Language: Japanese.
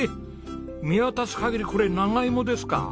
見渡す限りこれ長芋ですか。